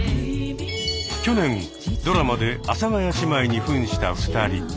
去年ドラマで阿佐ヶ谷姉妹にふんした２人。